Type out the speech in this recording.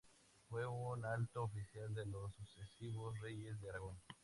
Fue un alto oficial de los sucesivos reyes de Aragón.